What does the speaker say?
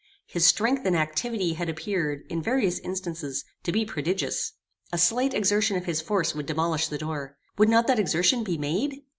His strength and activity had appeared, in various instances, to be prodigious. A slight exertion of his force would demolish the door. Would not that exertion be made?